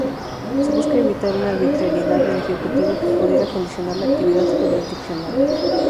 Se busca evitar una arbitrariedad del ejecutivo que pudiera condicionar la actividad jurisdiccional.